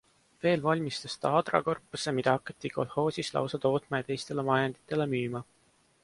Veel valmistas ta adrakorpuse, mida hakati kolhoosis lausa tootma ja teistele majanditele müüma.